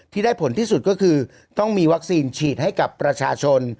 ที่ได้ผลที่สุดก็คือต้องมีวัคซีนฉีดให้กับประชาชน